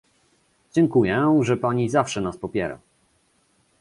Dziękuję, że pani zawsze nas popiera